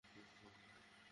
বাহ, কী আনন্দ!